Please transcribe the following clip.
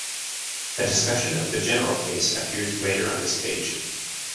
A discussion of the general case appears later on this page.